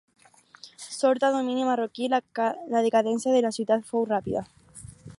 Sota domini marroquí la decadència de la ciutat fou ràpida.